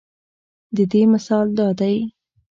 د دې مثال دا دے